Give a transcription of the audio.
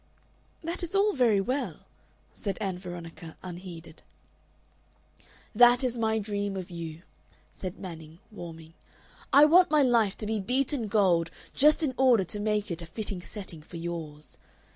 "That is all very well," said Ann Veronica, unheeded. "That is my dream of you," said Manning, warming. "I want my life to be beaten gold just in order to make it a fitting setting for yours.